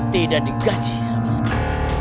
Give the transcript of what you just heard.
tidak digaji sama sekali